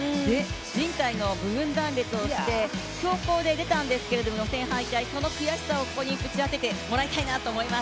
じん帯の部分断裂をして、強行で出たんですけど予選敗退、その悔しさをここにぶち当ててもらいたいなと思います。